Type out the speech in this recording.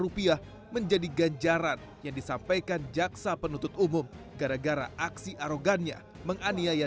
rupiah menjadi ganjaran yang disampaikan jaksa penuntut umum gara gara aksi arogannya menganiaya